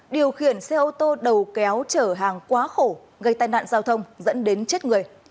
điều khiển xe ô tô đầu kéo chở hàng quá khổ gây tai nạn giao thông dẫn đến chết người